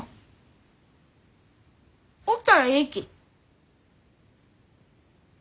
おったらえいき。